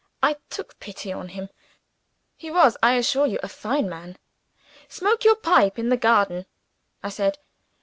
I took pity on him he was, I assure you, a fine man. "Smoke your pipe, sir, in the garden," I said.